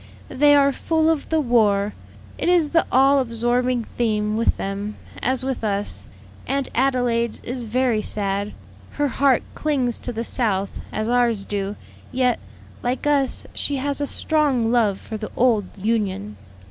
"They are full of the war; it is the all absorbing theme with them, as with us. Aunt Adelaide's is very sad. Her heart clings to the South, as ours do; yet, like us, she has a strong love for the old Union.